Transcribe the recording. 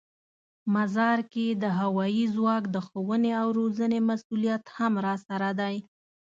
مزار کې د هوايي ځواک د ښوونې او روزنې مسوولیت هم راسره دی.